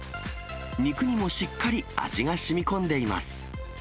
肉にもしっかり味がしみこんでいます。